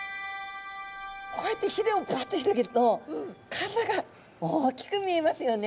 こうやってひれをブワッと広げると体が大きく見えますよね。